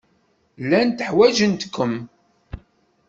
Llant ḥwajent-kem.